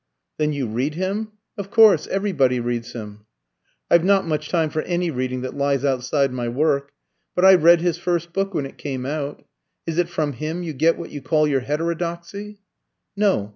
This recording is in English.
"Then you read him? Of course everybody reads him." "I've not much time for any reading that lies outside my work. But I read his first book when it came out. Is it from him you get what you call your heterodoxy?" "No.